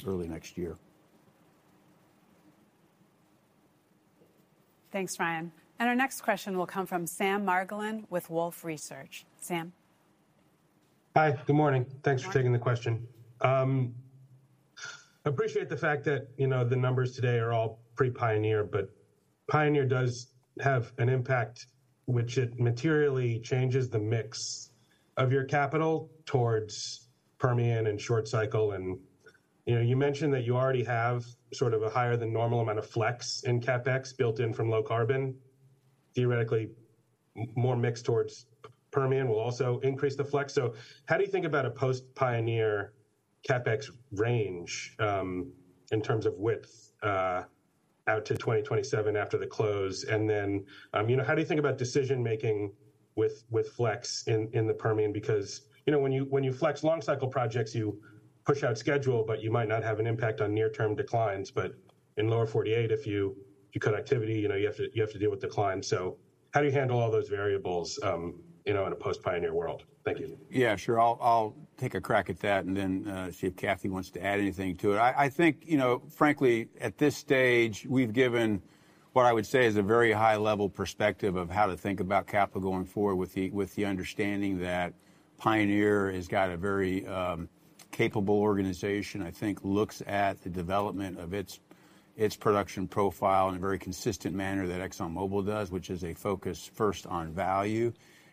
early next year. Thanks, Ryan. Our next question will come from Sam Margolin with Wolfe Research. Sam? Hi, good morning. Good morning. Thanks for taking the question. Appreciate the fact that, you know, the numbers today are all pretty Pioneer, but Pioneer does have an impact, which it materially changes the mix of your capital towards Permian and short cycle. And, you know, you mentioned that you already have sort of a higher-than-normal amount of flex in CapEx built in from Low Carbon. Theoretically, more mix towards Permian will also increase the flex. So how do you think about a post-Pioneer CapEx range, in terms of width, out to 2027 after the close? And then, you know, how do you think about decision-making with flex in the Permian? Because, you know, when you flex long cycle projects, you push out schedule, but you might not have an impact on near-term declines. But in Lower 48, if you cut activity, you know, you have to deal with declines. So how do you handle all those variables, you know, in a post-Pioneer world? Thank you. Yeah, sure. I'll, I'll take a crack at that, and then see if Kathy wants to add anything to it. I, I think, you know, frankly, at this stage, we've given what I would say is a very high-level perspective of how to think about capital going forward with the, with the understanding that Pioneer has got a very capable organization. I think looks at the development of its, its production profile in a very consistent manner that ExxonMobil does, which is a focus first on value.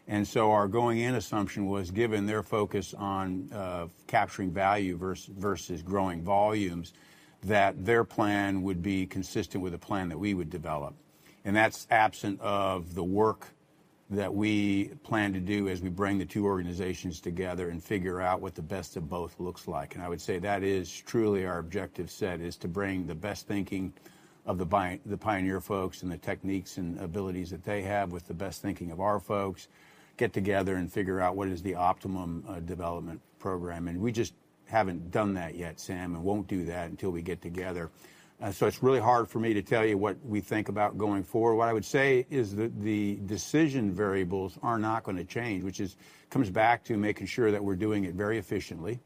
And so our going-in assumption was, given their focus on capturing value versus growing volumes, that their plan would be consistent with the plan that we would develop. And that's absent of the work that we plan to do as we bring the two organizations together and figure out what the best of both looks like. I would say that is truly our objective set, is to bring the best thinking of the Pioneer folks and the techniques and abilities that they have with the best thinking of our folks, get together and figure out what is the optimum development program. And we just haven't done that yet, Sam, and won't do that until we get together. So it's really hard for me to tell you what we think about going forward. What I would say is that the decision variables are not gonna change, which is comes back to making sure that we're doing it very efficiently,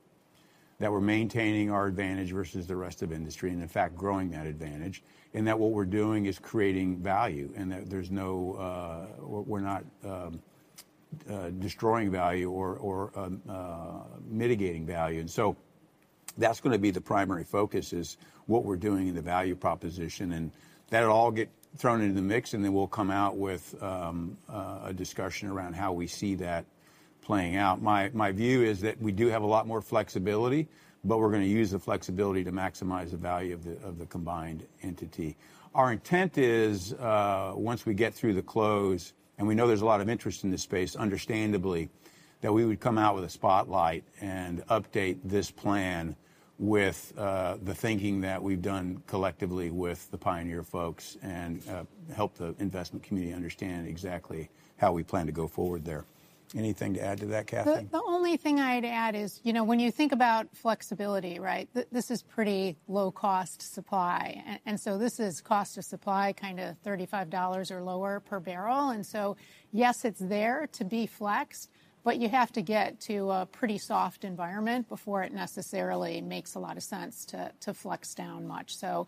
that we're maintaining our advantage versus the rest of industry, and in fact, growing that advantage, and that what we're doing is creating value, and that there's no... We're not destroying value or mitigating value. And so that's gonna be the primary focus is what we're doing in the value proposition, and that'll all get thrown into the mix, and then we'll come out with a discussion around how we see that playing out. My view is that we do have a lot more flexibility, but we're gonna use the flexibility to maximize the value of the combined entity. Our intent is, once we get through the close, and we know there's a lot of interest in this space, understandably, that we would come out with a spotlight and update this plan with the thinking that we've done collectively with the Pioneer folks and help the investment community understand exactly how we plan to go forward there. Anything to add to that, Kathy? The only thing I'd add is, you know, when you think about flexibility, right? This is pretty low-cost supply, and so this is cost of supply, kind of $35 or lower per barrel. And so, yes, it's there to be flexed, but you have to get to a pretty soft environment before it necessarily makes a lot of sense to flex down much. So,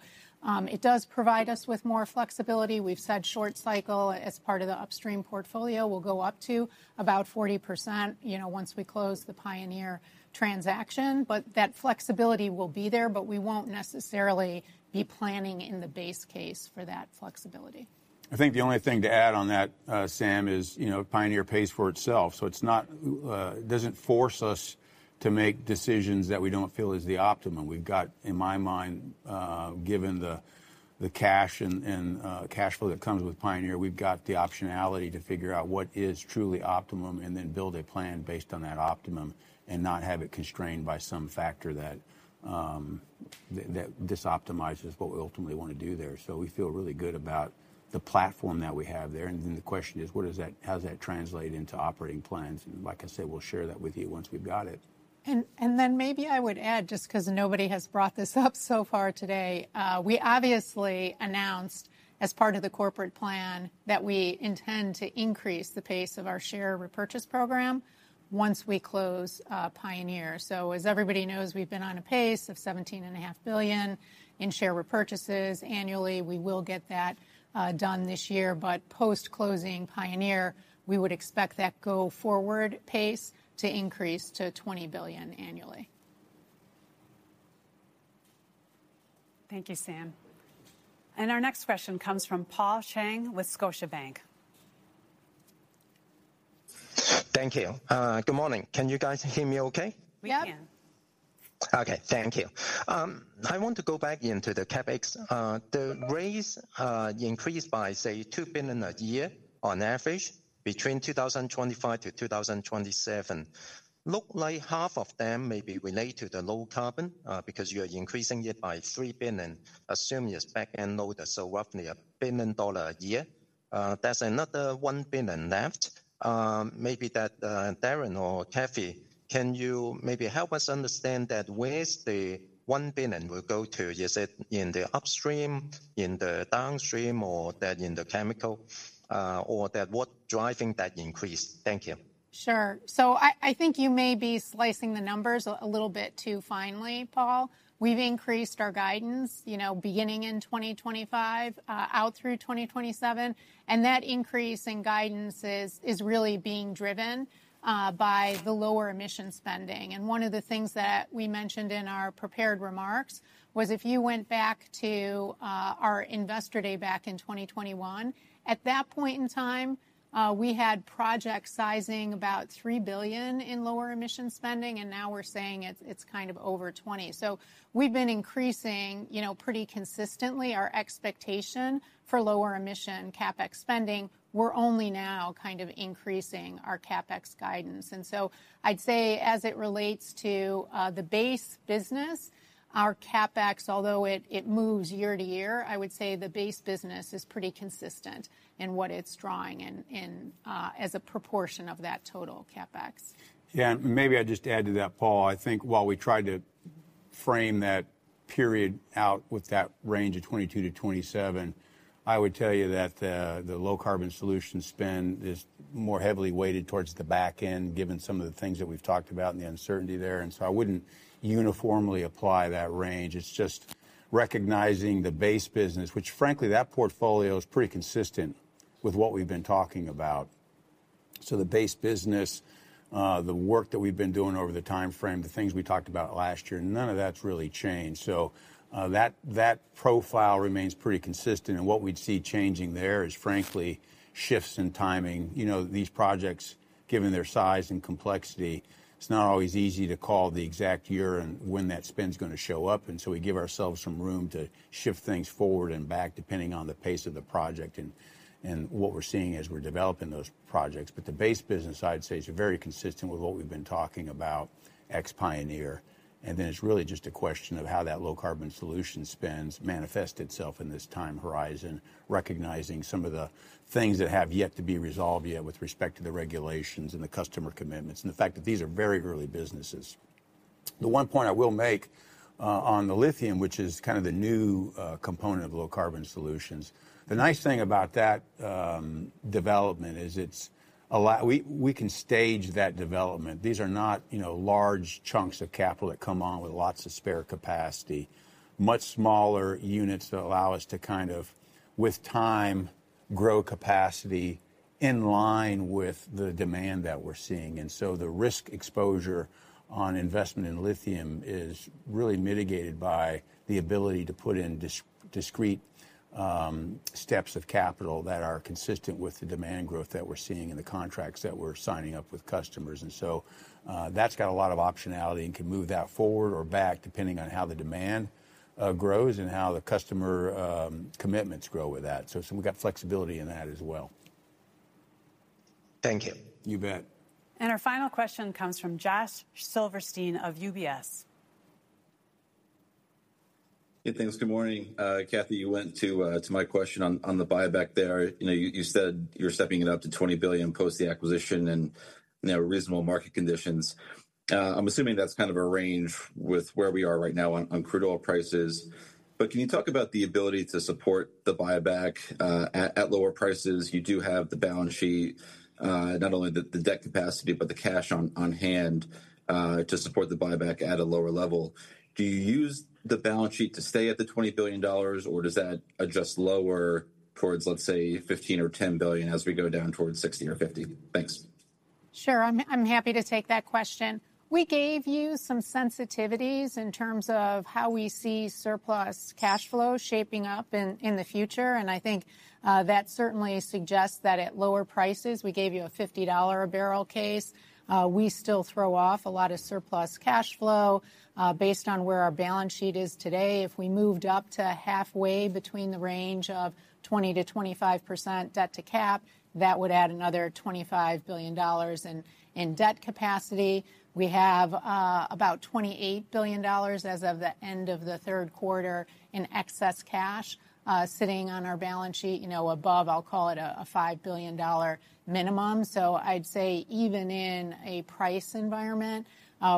it does provide us with more flexibility. We've said short cycle as part of the upstream portfolio will go up to about 40%, you know, once we close the Pioneer transaction. But that flexibility will be there, but we won't necessarily be planning in the base case for that flexibility. I think the only thing to add on that, Sam, is, you know, Pioneer pays for itself, so it's not, it doesn't force us to make decisions that we don't feel is the optimum. We've got, in my mind, given the cash and cash flow that comes with Pioneer, we've got the optionality to figure out what is truly optimum and then build a plan based on that optimum and not have it constrained by some factor that, that disoptimizes what we ultimately want to do there. So we feel really good about the platform that we have there. And then the question is, what does that, how does that translate into operating plans? And like I said, we'll share that with you once we've got it. And then maybe I would add, just 'cause nobody has brought this up so far today, we obviously announced, as part of the corporate plan, that we intend to increase the pace of our share repurchase program once we close Pioneer. So as everybody knows, we've been on a pace of $17.5 billion in share repurchases annually. We will get that done this year, but post-closing Pioneer, we would expect that go forward pace to increase to $20 billion annually. Thank you, Sam. Our next question comes from Paul Cheng with Scotiabank. Thank you. Good morning. Can you guys hear me okay? We can. Yep. Okay, thank you. I want to go back into the CapEx. The raise increased by, say, $2 billion a year on average between 2025-2027. Look like half of them may be related to the low carbon because you are increasing it by $3 billion, assuming it's back-end loaded, so roughly $1 billion a year. That's another $1 billion left. Maybe that Darren or Kathy can you maybe help us understand that where's the $1 billion will go to? Is it in the upstream, in the downstream, or that in the chemical? Or that what driving that increase? Thank you. Sure. So I think you may be slicing the numbers a little bit too finely, Paul. We've increased our guidance, you know, beginning in 2025, out through 2027, and that increase in guidance is really being driven by the lower emission spending. One of the things that we mentioned in our prepared remarks was, if you went back to our Investor Day back in 2021, at that point in time, we had project sizing about $3 billion in lower emission spending, and now we're saying it's kind of over $20 billion. So we've been increasing, you know, pretty consistently our expectation for lower emission CapEx spending. We're only now kind of increasing our CapEx guidance. And so I'd say, as it relates to, the base business, our CapEx, although it, it moves year to year, I would say the base business is pretty consistent in what it's drawing in, in, as a proportion of that total CapEx. Yeah, and maybe I'd just add to that, Paul. I think while we tried to frame that period out with that range of 2022-2027, I would tell you that the Low Carbon Solutions spend is more heavily weighted towards the back end, given some of the things that we've talked about and the uncertainty there. So I wouldn't uniformly apply that range. It's just recognizing the base business, which frankly, that portfolio is pretty consistent with what we've been talking about. So the base business, the work that we've been doing over the timeframe, the things we talked about last year, none of that's really changed. So, that profile remains pretty consistent, and what we'd see changing there is frankly shifts in timing. You know, these projects, given their size and complexity, it's not always easy to call the exact year and when that spend's gonna show up, and so we give ourselves some room to shift things forward and back, depending on the pace of the project and, and what we're seeing as we're developing those projects. But the base business, I'd say, is very consistent with what we've been talking about, ex Pioneer. And then it's really just a question of how that Low Carbon Solutions spends, manifests itself in this time horizon, recognizing some of the things that have yet to be resolved yet with respect to the regulations and the customer commitments, and the fact that these are very early businesses. The one point I will make on the lithium, which is kind of the new component of Low Carbon Solutions, the nice thing about that development is it allows us to stage that development. These are not, you know, large chunks of capital that come on with lots of spare capacity. Much smaller units that allow us to kind of, with time, grow capacity in line with the demand that we're seeing. And so the risk exposure on investment in lithium is really mitigated by the ability to put in discrete steps of capital that are consistent with the demand growth that we're seeing and the contracts that we're signing up with customers. And so, that's got a lot of optionality and can move that forward or back, depending on how the demand grows and how the customer commitments grow with that. So, we've got flexibility in that as well. Thank you. You bet. Our final question comes from Josh Silverstein of UBS. Yeah, thanks. Good morning. Kathy, you went to my question on the buyback there. You know, you said you're stepping it up to $20 billion post the acquisition and, you know, reasonable market conditions. I'm assuming that's kind of a range with where we are right now on crude oil prices. But can you talk about the ability to support the buyback at lower prices? You do have the balance sheet, not only the debt capacity, but the cash on hand to support the buyback at a lower level. Do you use the balance sheet to stay at the $20 billion, or does that adjust lower towards, let's say, $15 billion or $10 billion as we go down towards $60 or $50? Thanks. Sure. I'm happy to take that question. We gave you some sensitivities in terms of how we see surplus cash flow shaping up in the future, and I think that certainly suggests that at lower prices, we gave you a $50 a barrel case. We still throw off a lot of surplus cash flow based on where our balance sheet is today. If we moved up to halfway between the range of 20%-25% debt to cap, that would add another $25 billion in debt capacity. We have about $28 billion as of the end of the third quarter in excess cash sitting on our balance sheet, you know, above, I'll call it a $5 billion minimum. I'd say even in a price environment,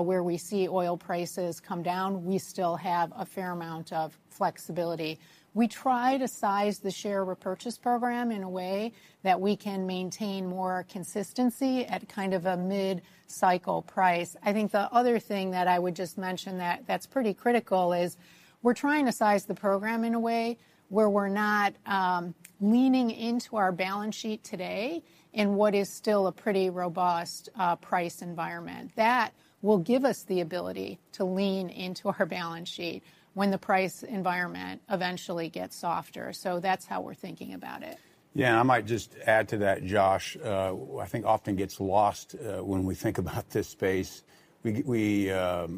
where we see oil prices come down, we still have a fair amount of flexibility. We try to size the share repurchase program in a way that we can maintain more consistency at kind of a mid-cycle price. I think the other thing that I would just mention that that's pretty critical is, we're trying to size the program in a way where we're not, leaning into our balance sheet today, in what is still a pretty robust, price environment. That will give us the ability to lean into our balance sheet when the price environment eventually gets softer. That's how we're thinking about it. Yeah, and I might just add to that, Josh. I think often gets lost when we think about this space, the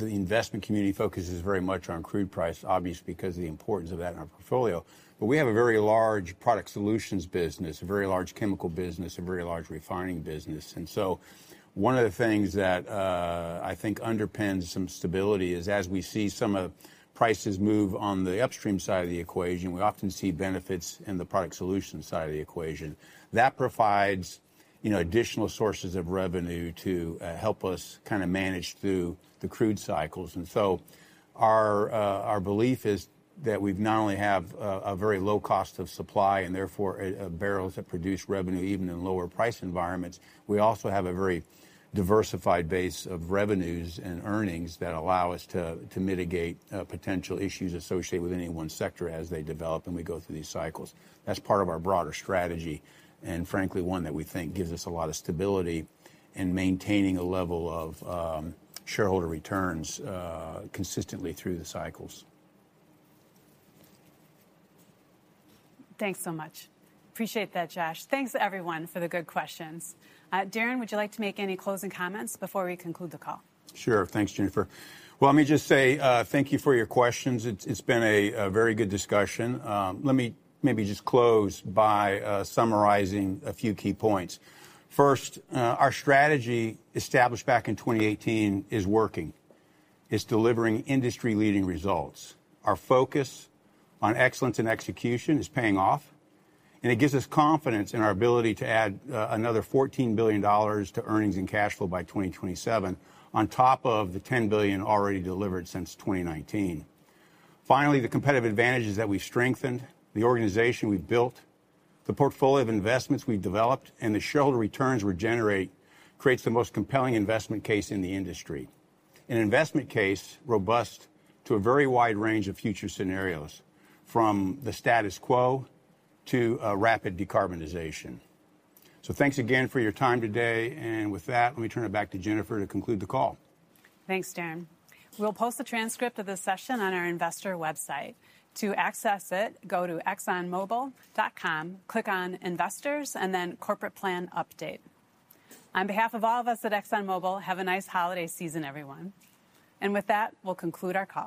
investment community focuses very much on crude price, obviously, because of the importance of that in our portfolio. But we have a very large Product Solutions business, a very large chemical business, a very large refining business. And so one of the things that I think underpins some stability is, as we see some of prices move on the upstream side of the equation, we often see benefits in the Product Solutions side of the equation. That provides, you know, additional sources of revenue to help us kind of manage through the crude cycles. And so our belief is that we've not only have a very low cost of supply, and therefore, barrels that produce revenue, even in lower price environments, we also have a very diversified base of revenues and earnings that allow us to mitigate potential issues associated with any one sector as they develop and we go through these cycles. That's part of our broader strategy, and frankly, one that we think gives us a lot of stability in maintaining a level of shareholder returns consistently through the cycles. Thanks so much. Appreciate that, Josh. Thanks, everyone, for the good questions. Darren, would you like to make any closing comments before we conclude the call? Sure. Thanks, Jennifer. Well, let me just say thank you for your questions. It's been a very good discussion. Let me maybe just close by summarizing a few key points. First, our strategy, established back in 2018, is working. It's delivering industry-leading results. Our focus on excellence and execution is paying off, and it gives us confidence in our ability to add another $14 billion to earnings and cash flow by 2027, on top of the $10 billion already delivered since 2019. Finally, the competitive advantages that we've strengthened, the organization we've built, the portfolio of investments we've developed, and the shareholder returns we generate creates the most compelling investment case in the industry. An investment case robust to a very wide range of future scenarios, from the status quo to a rapid decarbonization. Thanks again for your time today, and with that, let me turn it back to Jennifer to conclude the call. Thanks, Darren. We'll post the transcript of this session on our investor website. To access it, go to ExxonMobil.com, click on Investors, and then Corporate Plan Update. On behalf of all of us at ExxonMobil, have a nice holiday season, everyone. With that, we'll conclude our call.